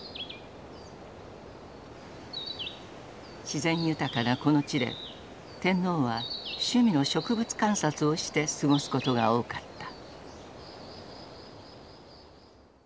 自然豊かなこの地で天皇は趣味の植物観察をして過ごすことが多かった。